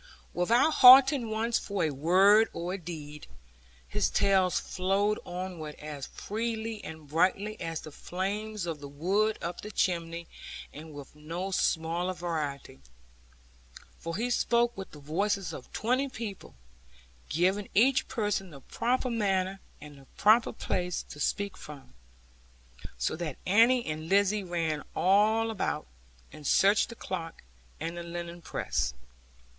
Without halting once for a word or a deed, his tales flowed onward as freely and brightly as the flames of the wood up the chimney, and with no smaller variety. For he spoke with the voices of twenty people, giving each person the proper manner, and the proper place to speak from; so that Annie and Lizzie ran all about, and searched the clock and the linen press.